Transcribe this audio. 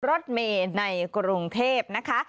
รถเมย์ในกรุงเทพนะคะ